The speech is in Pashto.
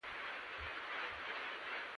فلم د راتلونکي خیال دی